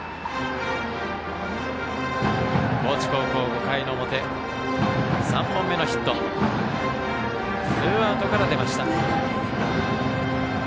高知高校、５回表３本目のヒットがツーアウトから出ました。